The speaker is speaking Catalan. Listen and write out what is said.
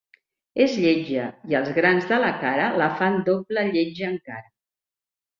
És lletja i els grans de la cara la fan doble lletja encara.